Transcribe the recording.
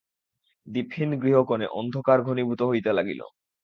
দীপহীন গৃহকোণে অন্ধকার ঘনীভূত হইতে লাগিল।